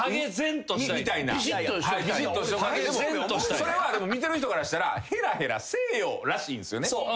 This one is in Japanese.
でもそれは見てる人からしたら「ヘラヘラせえよ」らしいんすよね。